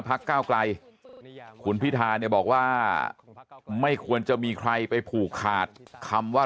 ก้าวไกลคุณพิธาเนี่ยบอกว่าไม่ควรจะมีใครไปผูกขาดคำว่า